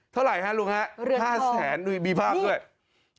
เท่าไหร่ฮะลูกฮะ๕๐๐๐๐๐บาทอุ้ยมีภาพด้วย